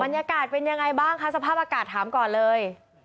บรรยากาศเป็นยังไงบ้างคะสภาพอากาศถามก่อนเลย